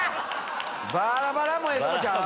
バラバラもええとこちゃう？